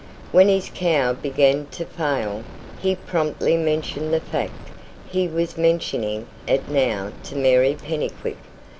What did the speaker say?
When his cow began to fail, he promptly mentioned the fact he was mentioning it now to Mary Pennycuick.